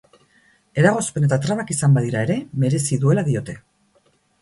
Eragozpen eta trabak izan badira ere, merezi duela diote.